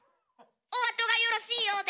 おあとがよろしいようで！